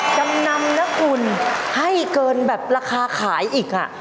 จำนำนะคุณให้เกินแบบราคาขายอีกอ่ะ